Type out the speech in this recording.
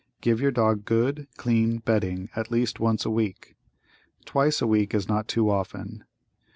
Give your dog good, clean bedding at least once a week. Twice a week is not too often.